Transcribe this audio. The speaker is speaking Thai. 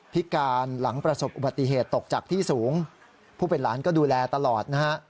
พิการหลังประสบอุบัติเหตุตกจากที่สูงผู้เป็นหลานก็ดูแลตลอดนะฮะ